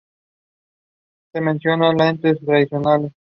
A pesar de su prominencia como poeta, los detalles sobre su vida son inciertos.